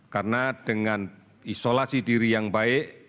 karena dengan isolasi diri yang baik